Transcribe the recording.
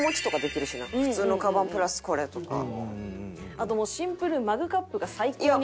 あともうシンプルマグカップが最高にかわいい。